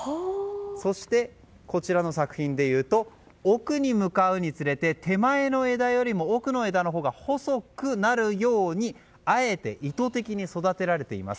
そして、こちらの作品でいうと奥に向かうにつれて手前の枝よりも奥の枝のほうが細くなるようにあえて意図的に育てられています。